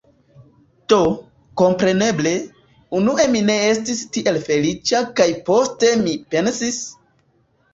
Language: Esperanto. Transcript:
Do, kompreneble, unue mi ne estis tiel feliĉa kaj poste mi pensis: